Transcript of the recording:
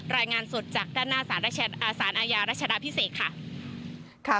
รายงานสดจากด้านหน้าสารอาญารัชดาพิเศษค่ะ